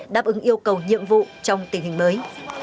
đáp ứng yêu cầu nhiệm vụ trong tình hình mới